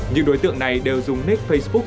những đối tượng này đều dùng nick facebook